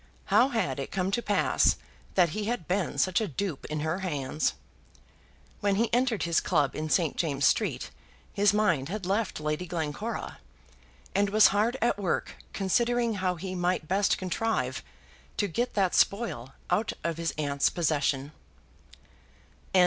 How had it come to pass that he had been such a dupe in her hands? When he entered his club in St. James's Street his mind had left Lady Glencora, and was hard at work considering how he might best contrive to get that spoil out of his aunt's possession.